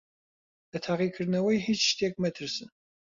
لە تاقیکردنەوەی هیچ شتێک مەترسن.